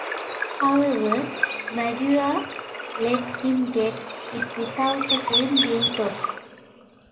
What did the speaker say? However, Maguire let him get it without a frame being docked.